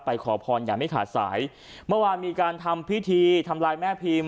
ขอพรอย่างไม่ขาดสายเมื่อวานมีการทำพิธีทำลายแม่พิม